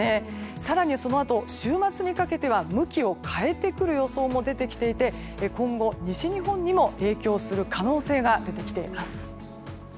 更にそのあと、週末にかけては向きを変えてくる予想も出ており今後、西日本にも影響する可能性が出てきています。